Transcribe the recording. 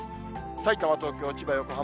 さいたま、東京、千葉、横浜。